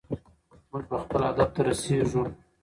موږ به خپل هدف ته رسېږو.